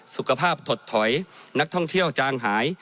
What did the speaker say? สุขภาพถดถอยนักท่องเที่ยวจางหาย